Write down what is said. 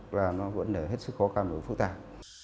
thực ra nó vẫn để hết sức khó khăn và phức tạp